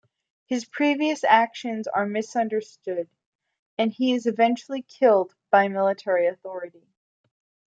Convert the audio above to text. His previous actions are misunderstood, and he is eventually killed by military authority.